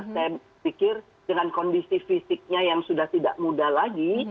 saya pikir dengan kondisi fisiknya yang sudah tidak muda lagi